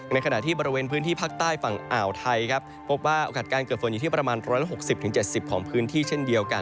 ในขณะที่บริเวณพื้นที่ภาคใต้ฝั่งอ่าวไทย